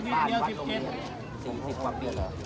พี่พ่อกลับไปชะเทศนะพี่พ่อกลับไปชะเทศนะ